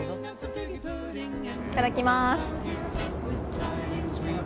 いただきます。